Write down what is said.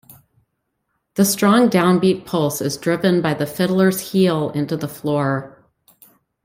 The strong downbeat pulse is driven by the fiddler's heel into the floor.